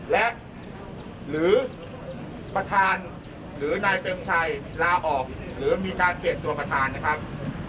และหรือประธานหรือนายเปรมชัยลาออกหรือมีการเปลี่ยนตัวประธานนะครับ